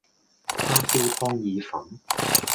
叉燒湯意粉